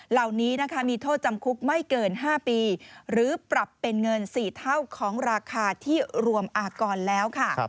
เหล่านี้นะคะมีโทษจำคุกไม่เกิน๕ปีหรือปรับเป็นเงิน๔เท่าของราคาที่รวมอากรแล้วค่ะ